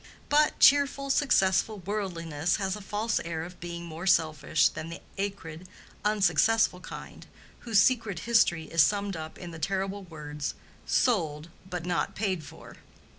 But cheerful, successful worldliness has a false air of being more selfish than the acrid, unsuccessful kind, whose secret history is summed up in the terrible words, "Sold, but not paid for."